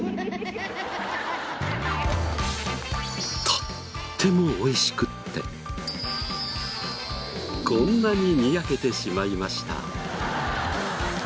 とっても美味しくってこんなににやけてしまいました。